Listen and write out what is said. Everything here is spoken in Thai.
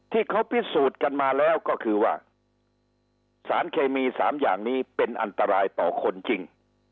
ที่เขาพิสูจน์กันมาแล้วก็คือว่าสารเคมี๓อย่างนี้เป็นอันตรายต่อคนจริง